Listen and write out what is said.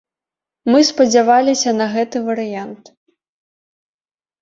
Мы спадзяваліся на гэты варыянт.